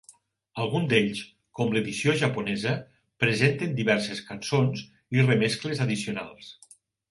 Alguns d'ells, com l'edició japonesa, presenten diverses cançons i remescles addicionals.